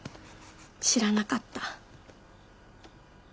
知らなかった。